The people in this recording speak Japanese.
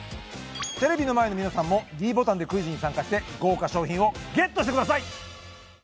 テレビの前の皆さんもｄボタンでクイズに参加して豪華賞品をＧＥＴしてください